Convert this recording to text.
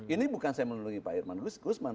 ini bukan saya menuruti pak herman guzman